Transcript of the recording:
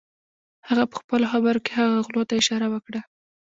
هغه پهخپلو خبرو کې هغو غلو ته اشاره وکړه.